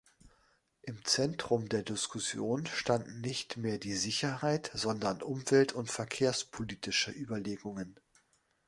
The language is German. Im Zentrum der Diskussion standen nicht mehr die Sicherheit, sondern umwelt- und verkehrspolitische Überlegungen.